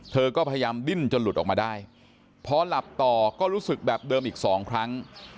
เธอก็พยายามดิ้นจนหลุดออกมาได้พอหลับต่อก็รู้สึกแบบเดิมอีกสองครั้ง